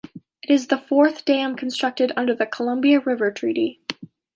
It is the fourth dam constructed under the Columbia River Treaty.